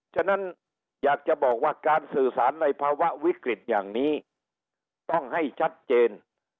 ฉะนั้นอยากจะบอกว่าการสื่อสารในภาวะวิกฤตอย่างนี้ต้องให้ชัดเจน